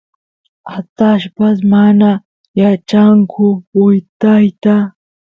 atallpas mana yachanku wytayta